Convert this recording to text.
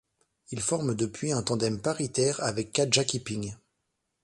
Il forme depuis un tandem paritaire avec Katja Kipping.